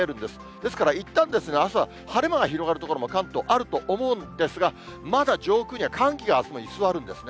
ですからいったん、朝は晴れ間が広がる所も関東あると思うんですが、まだ上空には寒気が居座るんですね。